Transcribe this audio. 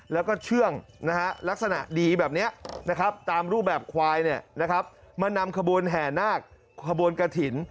แล้วก็เชื่องลักษณะดีแบบนี้นะครับตามรูปแบบควายมานำขบวนแห่นาคขบวนกระถิ่น